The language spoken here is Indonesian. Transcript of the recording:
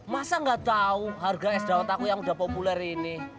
masa nggak tahu harga es dawet aku yang udah populer ini